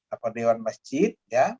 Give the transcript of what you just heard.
atau dewan masjid